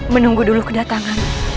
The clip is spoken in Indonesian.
menunggu dulu kedatangan